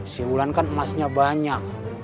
si wulan kan emasnya banyak